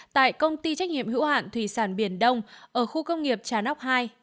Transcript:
tại công ty trách nhiệm hữu hạn thủy sản biển đông ở khu công nghiệp trà nóc hai